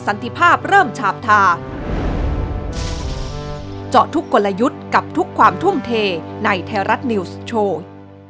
ติภาพเริ่มฉาบทาเจาะทุกกลยุทธ์กับทุกความทุ่มเทในไทยรัฐนิวส์โชว์